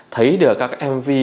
thấy được các mv